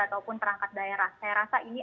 ataupun perangkat daerah saya rasa ini